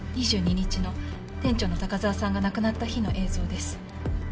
２２日の店長の高沢さんが亡くなった日の映像です。